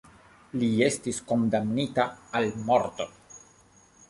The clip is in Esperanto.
Li estis kondamnita al morto.